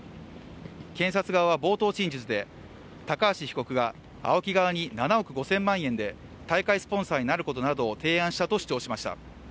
検察側は冒頭陳述で高橋被告がＡＯＫＩ側に７億５０００万円で大会スポンサーになることなどを提案したと主張しました。